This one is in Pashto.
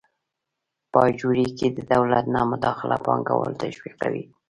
په اجورې کې د دولت نه مداخله پانګوال تشویقوي.